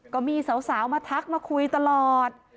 ก็มีสาวมาทักมาคุยตลอด